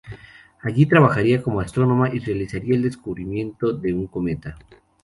Allí trabajaría como astrónoma y realizaría el descubrimiento de un cometa.